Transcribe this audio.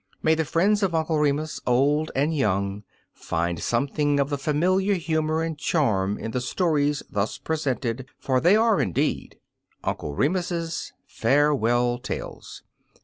May the friends of Uncle Remus y old and young, find something of the familiar humor and charm in the stories thus presented, for they are indeed Uncle Remus^s ^^FareweU Tales''!